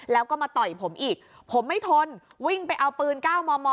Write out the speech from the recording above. แล้วก็มาต่อยผมอีกผมไม่ทนวิ่งไปเอาปืน๙มม